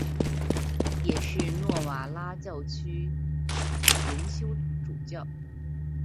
也是诺瓦拉教区荣休主教。